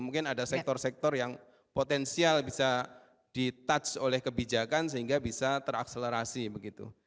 mungkin ada sektor sektor yang potensial bisa di touch oleh kebijakan sehingga bisa terakselerasi begitu